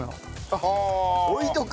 あっ置いとく？